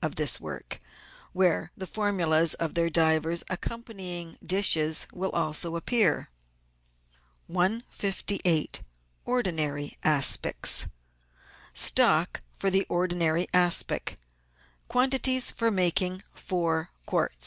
of this work, where the formulas of their divers accompanying dishes will also appear. 158— ORDINARY ASPICS Stock for Ordinary Aspic. — Quantities for making Four Quart'